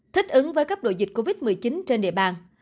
thích ứng với cấp đội dịch covid một mươi chín trên địa bàn